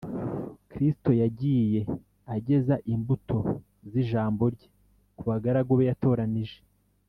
Kristo yagiye ageza imbuto z’ijambo rye ku bagaragu be yatoranije